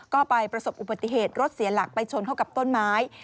ก็ไปประสบอุบัติเหตุรถเสียหลักไปชนเข้ากับต้นไม้